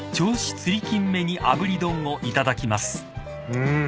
うん。